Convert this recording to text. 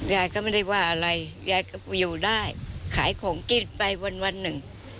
ยายก็ไม่ได้ว่าอะไรยายก็อยู่ได้ขายของกินไปวันหนึ่ง